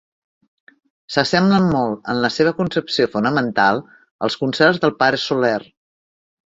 S'assemblen molt, en la seva concepció fonamental, als concerts del pare Soler.